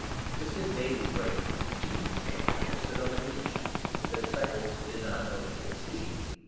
Just as day was breaking, Jesus came and stood on 4 the beach ; but the disciples did not know that it was he.